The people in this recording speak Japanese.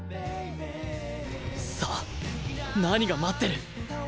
さあ何が待ってる？